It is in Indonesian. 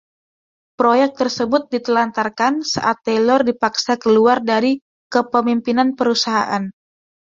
Proyek tersebut ditelantarkan saat Taylor dipaksa keluar dari kepemimpinan perusahaan.